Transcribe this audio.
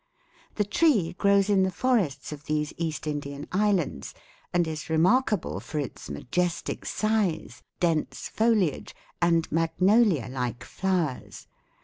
The tree grows in the forests of these East Indian islands and is remarkable for its majestic size, dense foliage and magnolia like flowers.